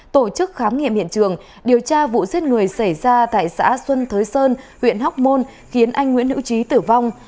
tổ chức khám nghiệm hiện trường điều tra vụ giết người xảy ra tại xã xuân thới sơn huyện hóc môn khiến anh nguyễn hữu trí tử vong